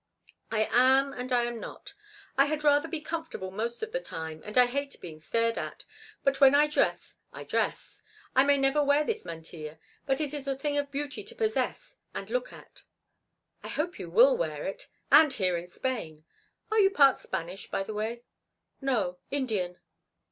"I am and I am not. I had rather be comfortable most of the time, and I hate being stared at, but when I dress I dress. I may never wear this mantilla, but it is a thing of beauty to possess and look at." "I hope you will wear it, and here in Spain. Are you part Spanish, by the way?" "No, Indian."